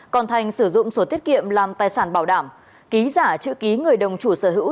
còn thành sử dụng sổ tiết kiệm làm tài sản bảo đảm ký giả chữ ký người đồng chủ sở hữu